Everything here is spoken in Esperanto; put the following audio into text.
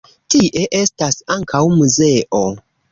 Tie estas ankaŭ muzeo.